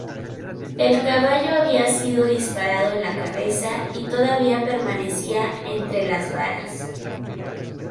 El caballo había sido disparado en la cabeza y todavía permanecía entre las varas.